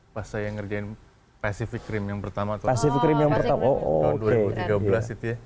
pas saya ngerjain pacific rim yang pertama tahun dua ribu tiga belas gitu ya